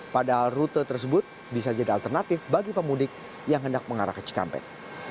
padahal rute tersebut bisa jadi alternatif bagi pemudik yang hendak mengarah ke cikampek